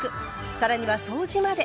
更には掃除まで。